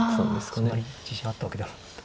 そんなに自信あったわけではなかった？